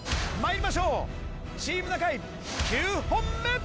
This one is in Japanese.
まいりましょうチーム中居９本目！